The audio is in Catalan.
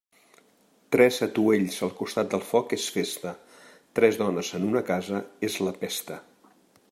Tres atuells al costat del foc és festa; tres dones en una casa és la pesta.